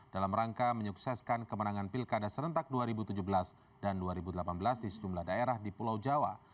dalam rangka menyukseskan kemenangan pilkada serentak dua ribu tujuh belas dan dua ribu delapan belas di sejumlah daerah di pulau jawa